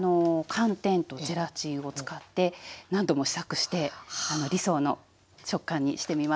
寒天とゼラチンを使って何度も試作して理想の食感にしてみました。